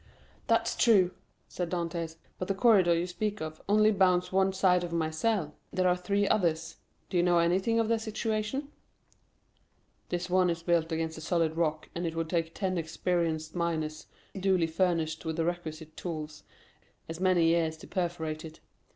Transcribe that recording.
"That's true," said Dantès; "but the corridor you speak of only bounds one side of my cell; there are three others—do you know anything of their situation?" "This one is built against the solid rock, and it would take ten experienced miners, duly furnished with the requisite tools, as many years to perforate it.